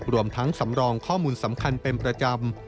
รวมทั้งสำรองข้อมูลสำคัญเป็นประจำ